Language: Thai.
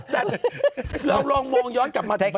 แต่เราลองมองย้อนกลับไปประเทศไทย